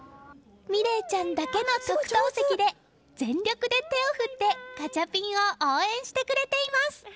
美澪ちゃんだけの特等席で全力で手を振ってガチャピンを応援してくれています！